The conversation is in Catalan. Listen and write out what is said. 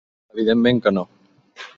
Evidentment que no.